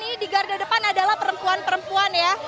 ini di garda depan adalah perempuan perempuan ya